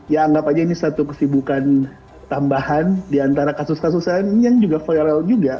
ya anggap aja ini satu kesibukan tambahan diantara kasus kasus lain ini yang juga viral juga